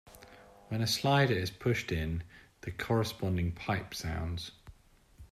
When a slider is pushed in, the corresponding pipe sounds.